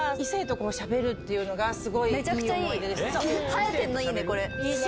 晴れてるのいいねこれ。